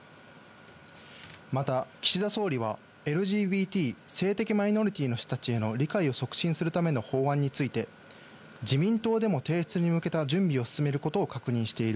また、岸田総理は、ＬＧＢＴ・性的マイノリティーの人たちへの理解を促進するための法案について、自民党でも提出に向けた準備を進めることを確認している。